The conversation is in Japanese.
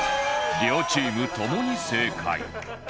両チーム共に正解